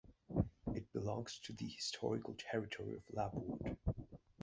It belongs to the historical territory of Labourd.